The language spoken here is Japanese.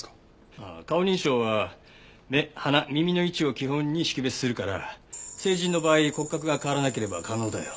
ああ顔認証は目鼻耳の位置を基本に識別するから成人の場合骨格が変わらなければ可能だよ。